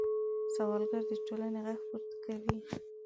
سوالګر د ټولنې غږ پورته کوي